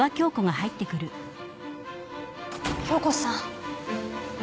恭子さん。